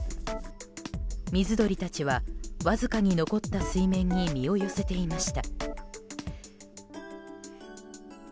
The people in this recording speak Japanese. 水鳥たちはわずかに残った水面に身を寄せていました。